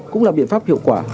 cũng là biện pháp hiệu quả